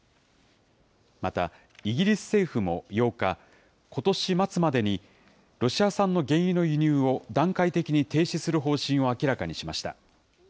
またイギリス政府も８日、ことし末までに、ロシア産の原油の輸入を段階的に停止する方針を明らかにしました。